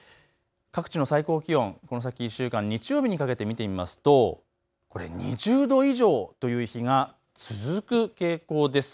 各地の最高気温、この先１週間日曜日にかけて見てみますとこれ、２０度以上という日が続く傾向です。